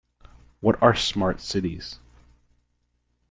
What are Smart Cities?